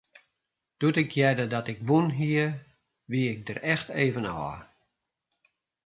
Doe't ik hearde dat ik wûn hie, wie ik der echt even ôf.